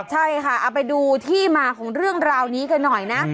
ใช่ค่ะเอาไปดูที่มาของเรื่องราวนี้กันหน่อยนะ